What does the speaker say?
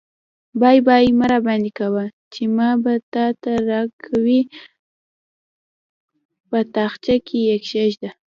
بابايي مه راباندې کوه؛ چې ما ته يې راکوې - په تاخچه کې يې کېږده.